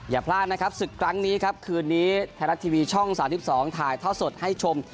อย่าพลาดนะครับศึกครั้งนี้ครับคืนนี้ไทยรัฐทีวีช่อง๓๒ถ่ายท่อสดให้ชม